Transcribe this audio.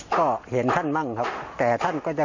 ก็เห็นท่านมั่งครับแต่ท่านก็จะ